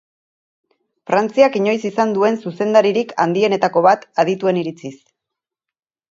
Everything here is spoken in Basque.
Frantziak inoiz izan duen zuzendaririk handienetako bat, adituen iritziz.